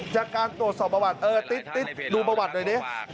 จากการโตสอบประวัติดูประวัติหน่อยนี้